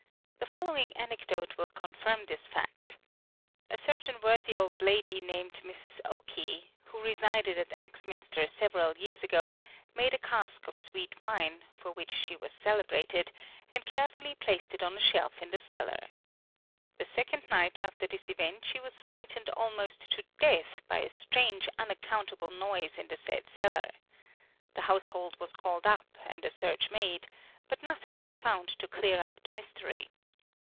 The following anecdote will confirm this fact. A certain worthy old lady named Mrs. Oke, who resided at Axminster several years ago, made a cask of sweet wine, for which she was celebrated, and carefully placed it on a shelf in the cellar. The second night after this event she was frightened almost to death by a strange unaccountable noise in the said cellar. The household was called up and a search made, but nothing was found to clear up the mystery.